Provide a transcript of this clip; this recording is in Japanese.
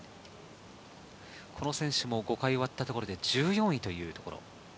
この選手の５回終わったところで１４位というところ。